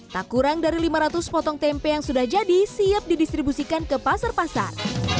tak kurang dari lima ratus potong tempe yang sudah jadi siap didistribusikan ke pasar pasar